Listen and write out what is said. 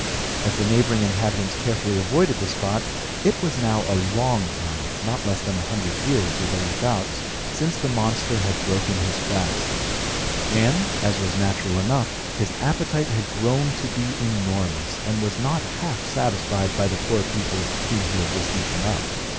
As the neighbouring inhabitants carefully avoided the spot, it was now a long time (not less than a hundred years, or thereabouts) since the monster had broken his fast; and, as was natural enough, his appetite had grown to be enormous, and was not half satisfied by the poor people whom he had just eaten up.